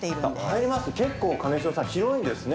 入りますと結構金城さん、広いんですね。